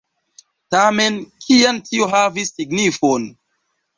Tamen, kian tio havis signifon?